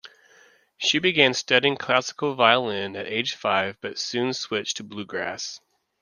She began studying classical violin at age five but soon switched to bluegrass.